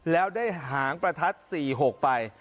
แล้วได้หางประทัด๔๖ไป